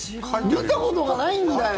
見たことがないんだよ。